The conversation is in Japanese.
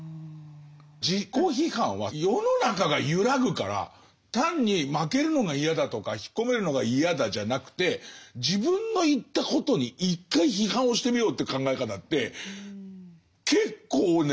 自己批判は世の中が揺らぐから単に負けるのが嫌だとか引っ込めるのが嫌だじゃなくて自分の言ったことに一回批判をしてみようって考え方って結構ね